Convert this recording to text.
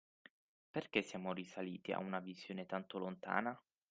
Perché siamo risaliti a una visione tanto lontana?